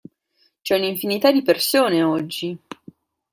C'è un'infinità di persone oggi!